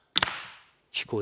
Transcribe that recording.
聞こえる。